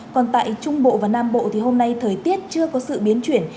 còn tại trung bộ và nam bộ thì hôm nay thời tiết chưa có sự biến chuyển